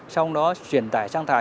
sau đó chuyển tải sang tải